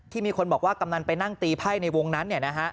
มีคนบอกว่ากำนันไปนั่งตีไพ่ในวงนั้น